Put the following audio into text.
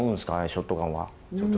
ショットガンは。